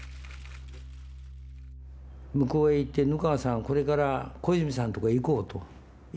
向こうへ行って額賀さんが「これから小泉さんのとこへ行こう」と。